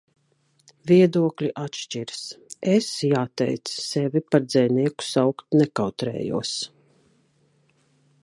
Viedokļi atšķiras. Es, jāteic, sevi par dzejnieku saukt nekautrējos.